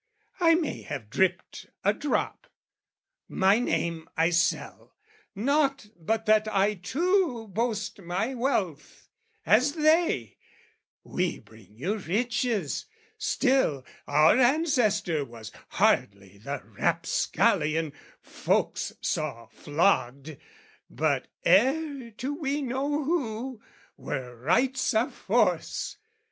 I may have dripped a drop "My name I sell; "Not but that I too boast my wealth" as they, " We bring you riches; still our ancestor "Was hardly the rapscallion, folks saw flogged, "But heir to we know who, were rights of force!"